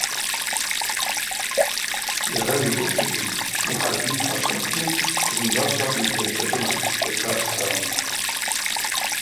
Йара, йухӏвушызтын, Мухӏарби йтгӏачва апны зымгӏва швабыжта йацӏагылан, йацацхърагӏун.